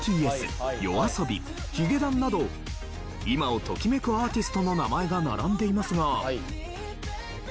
ＢＴＳＹＯＡＳＯＢＩヒゲダンなど今をときめくアーティストの名前が並んでいますが。